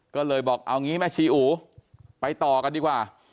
ก็เลยบอกเอางี้แม่ชีอูไปต่อกันดีกว่า